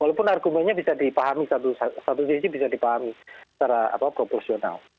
walaupun argumennya bisa dipahami satu sisi bisa dipahami secara proporsional